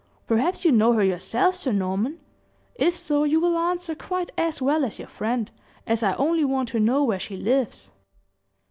"Perhaps you know her yourself, sir Norman? If so, you will answer quite as well as your friend, as I only want to know where she lives."